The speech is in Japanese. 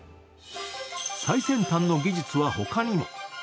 最先端の技術は他にも。